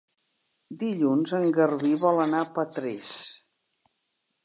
Dilluns en Garbí vol anar a Petrés.